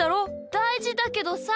だいじだけどさ。